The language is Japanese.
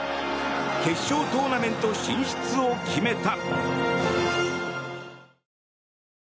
決勝トーナメント進出を決めた。